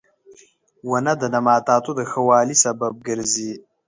• ونه د نباتاتو د ښه والي سبب ګرځي.